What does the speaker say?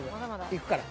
いくから。